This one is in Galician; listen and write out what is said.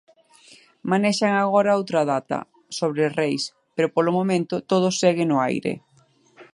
Manexan agora outra data, sobre Reis, pero polo momento todo segue no aire.